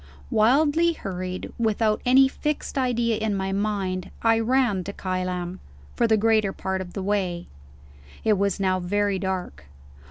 Wildly hurried without any fixed idea in my mind I ran to Kylam, for the greater part of the way. It was now very dark.